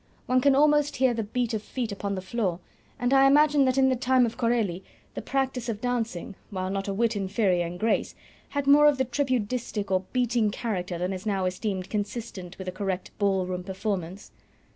One can almost hear the beat of feet upon the floor, and I imagine that in the time of Corelli the practice of dancing, while not a whit inferior in grace, had more of the tripudistic or beating character than is now esteemed consistent with a correct ball room performance.